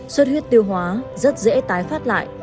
xuất huyết tiêu hóa rất dễ tái phát lại